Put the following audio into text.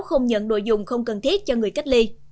không nhận đồ dùng không cần thiết cho người cách ly